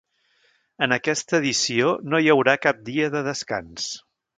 En aquesta edició no hi haurà cap dia de descans.